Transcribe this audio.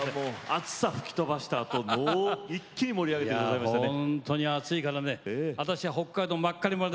暑さを吹き飛ばしたあと一気に盛り上げてくれましたね。